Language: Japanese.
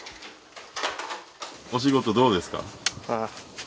お仕事どうですか？